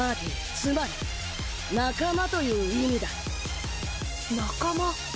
つまり「仲間」という意味だ仲間？